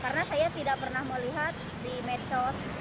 karena saya tidak pernah melihat di medsos